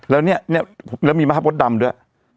แล้วเนี่ยมีมหาพรสดำด้วย